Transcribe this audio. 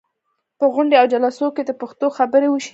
په غونډو او جلسو کې دې پښتو خبرې وشي.